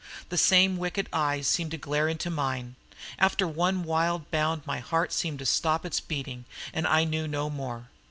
The same wicked eyes seemed to glare into mine. After one wild bound my heart seemed to stop its beating, and I knew no more.